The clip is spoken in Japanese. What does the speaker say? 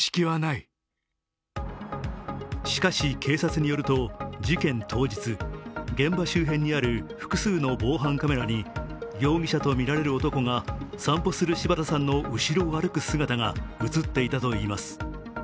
しかし、警察によると事件当日、現場周辺にある複数の防犯カメラに容疑者とみられる男が散歩する柴田さんの後ろを歩く姿が映っていたといいます。